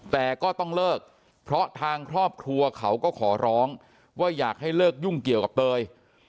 แต่ก็ต้องเลิกเพราะทางครอบครัวเขาก็ขอร้องว่าอยากให้เลิกยุ่งเกี่ยวกับเตย